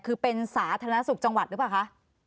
คือเป็นสาธารณสุขจังหวัดหรือเปล่าคะ